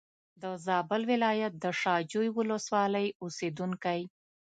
د زابل ولایت د شا جوی ولسوالۍ اوسېدونکی.